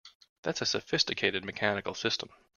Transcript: That's a sophisticated mechanical system!